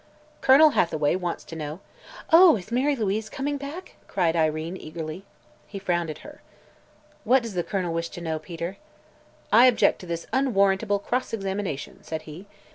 "Colonel Hathaway wants to know " "Oh, is Mary Louise coming back?" cried Irene eagerly. He frowned at her. "What does the Colonel wish to know, Peter?" "I object to this unwarrantable cross examination," said he.